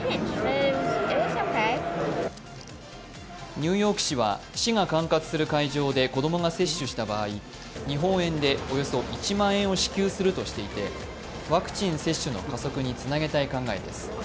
ニューヨーク市は市が管轄する会場で子供が接種した場合、日本円でおよそ１万円を支給するとしていてワクチン接種の加速につなげたい考えです。